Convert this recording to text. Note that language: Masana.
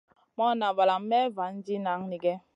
Morna valam Mey vanti nanigue.